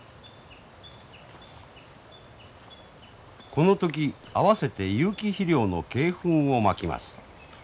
この時あわせて有機肥料の鶏ふんをまきます。